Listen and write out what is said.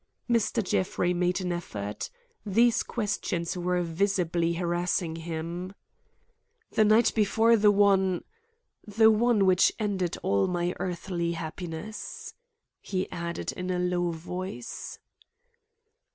Mr. Jeffrey made an effort. These questions were visibly harassing him. "The night before the one—the one which ended all my earthly happiness," he added in a low voice.